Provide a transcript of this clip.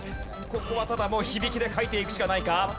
ここはただもう響きで書いていくしかないか？